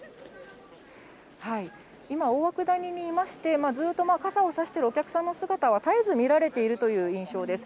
今、大涌谷にいまして、ずっと傘を差しているお客さんの姿は絶えず見られているという印象です。